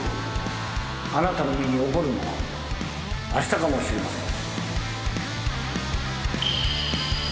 あなたの身に起こるのはあしたかもしれません。